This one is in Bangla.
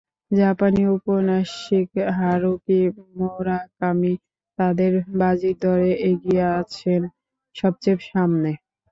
জাপানি ঔপন্যাসিক হারুকি মুরাকামি তাদের বাজির দরে এগিয়ে আছেন সবচেয়ে সামনে।